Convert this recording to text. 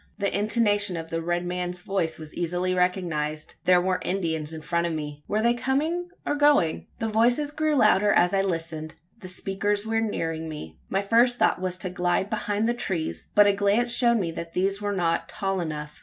The intonation of the red man's voice was easily recognised. There were Indians in front of me! Were they coming or going? The voices grew louder as I listened the speakers were nearing me. My first thought was to glide behind the trees; but a glance showed me that these were not tall enough.